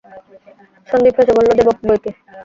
সন্দীপ হেসে বললে, দেব বৈকি।